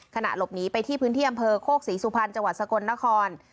ขณะหลบหนีไปที่พื้นที่อำเภอโคกศรีสุพรรณจังหวัดสกลนคร